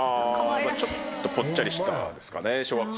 ちょっとぽっちゃりしてたですかね小学校。